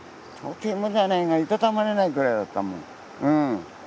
とてもじゃないがいたたまれないぐらいだったもん。